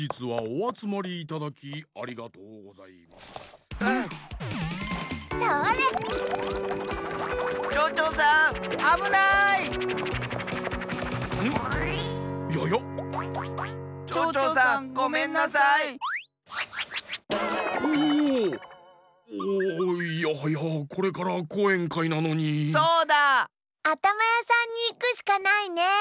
あたまやさんにいくしかないね！